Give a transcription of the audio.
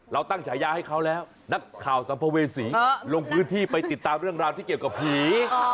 เราตั้งฉายาให้เขาแล้วนักข่าวสัมภเวษีลงพื้นที่ไปติดตามเรื่องราวที่เกี่ยวกับผี